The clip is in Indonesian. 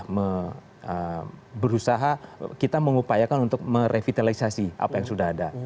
kita berusaha kita mengupayakan untuk merevitalisasi apa yang sudah ada